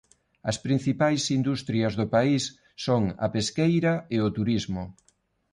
As principais industrias do país son a pesqueira e o turismo.